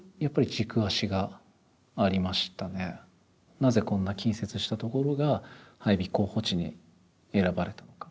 なぜこんな近接した所が配備候補地に選ばれたのか。